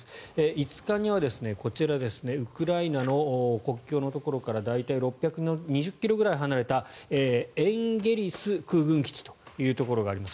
５日にはこちらウクライナの国境のところから大体６２０ｋｍくらい離れたエンゲリス空軍基地があります